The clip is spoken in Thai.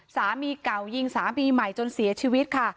สามีเก่ายิงสามีใหม่จนเสียชีวิตค่ะ